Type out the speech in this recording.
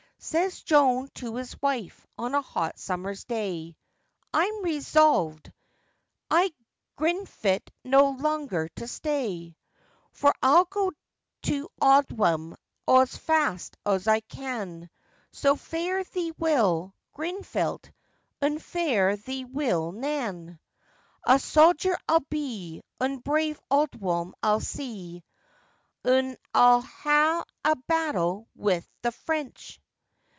] SAYS Jone to his wife, on a hot summer's day, 'I'm resolved i' Grinfilt no lunger to stay; For I'll go to Owdham os fast os I can, So fare thee weel, Grinfilt, un fare thee weel, Nan; A soger I'll be, un brave Owdham I'll see, Un I'll ha'e a battle wi' th' French.